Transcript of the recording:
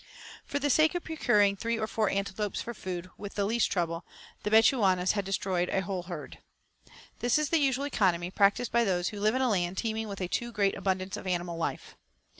For the sake of procuring three or four antelopes for food, with the least trouble, the Bechuanas had destroyed a whole herd. This is the usual economy practised by those who live in a land teeming with a too great abundance of animal life.